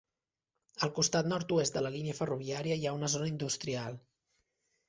Al costat nord-oest de la línia ferroviària hi ha una zona industrial.